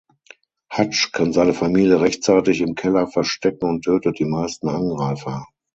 Hutch kann seine Familie rechtzeitig im Keller verstecken und tötet die meisten Angreifer.